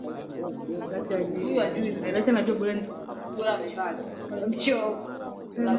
ambaye alikuwa Waziri Mkuu tangu mwaka elfu moja mia tisa themanini na tano